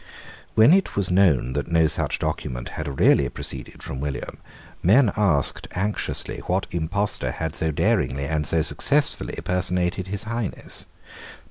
When it was known that no such document had really proceeded from William, men asked anxiously what impostor had so daringly and so successfully personated his Highness.